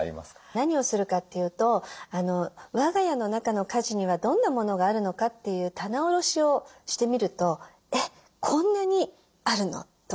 何をするかというと我が家の中の家事にはどんなものがあるのかっていう棚卸しをしてみると「えっこんなにあるの？」とかね